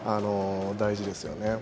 大事ですよね。